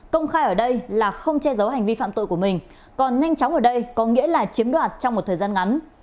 công khai ở đây là không che giấu hành vi phạm tội của mình còn nhanh chóng ở đây có nghĩa là chiếm đoạt trong một thời gian ngắn